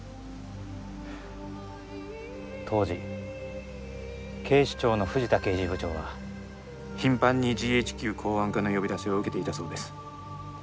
当時警視庁の藤田刑事部長は頻繁にＧＨＱ公安課の呼び出しを受けていたそうです。